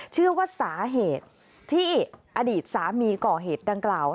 เชื่อว่าสาเหตุที่อดีตสามีก่อเหตุดังกล่าว